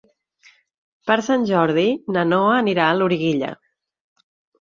Per Sant Jordi na Noa anirà a Loriguilla.